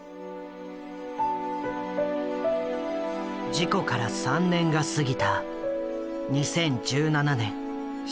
事故から３年が過ぎた２０１７年４月。